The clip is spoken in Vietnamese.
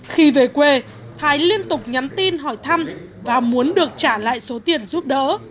khi về quê thái liên tục nhắn tin hỏi thăm và muốn được trả lại số tiền giúp đỡ